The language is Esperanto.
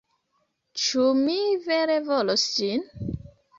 Ĉu mi vere volos ĝin?